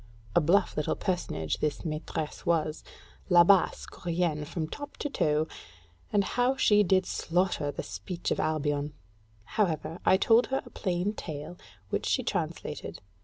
A bluff little personage this maîtresse was Labasse courienne from top to toe: and how she did slaughter the speech of Albion! However, I told her a plain tale, which she translated.